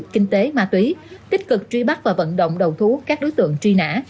kinh tế ma túy tích cực truy bắt và vận động đầu thú các đối tượng truy nã